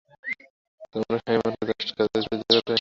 তোমার সাইমনকে জাস্ট কাজের তেজ দেখাতে হবে।